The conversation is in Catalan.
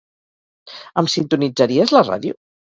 Em sintonitzaries la ràdio?